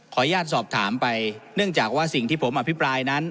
สอบถามไปเนื่องจากว่าสิ่งที่ผมอภิปรายนั้น